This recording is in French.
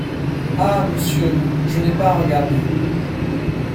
Ah ! monsieur… je n’ai pas regardé…